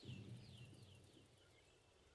هره ډله دې اقتصاد له پلوه سره پرتله کړي.